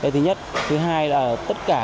thứ nhất thứ hai là tất cả